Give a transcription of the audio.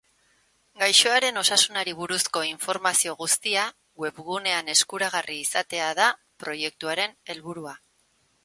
Gaixoaren osasunari buruzko informazio guztia webgunean eskuragarri izatea da proiektuaren helburua.